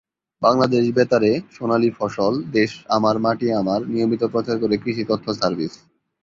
বাংলাদেশ বেতারে "সোনালী ফসল", "দেশ আমার মাটি আমার" নিয়মিত প্রচার করে কৃষি তথ্য সার্ভিস।